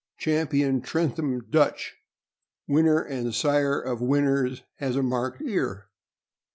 Champion Trentham Dutch, winner and sire of winners, has a marked ear.